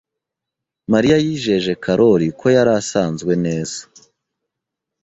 Mariya yijeje Karoli ko yari asanzwe neza.